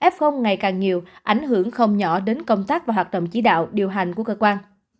f ngày càng nhiều ảnh hưởng không nhỏ đến công tác và hoạt động chí đạo điều hành của cơ quan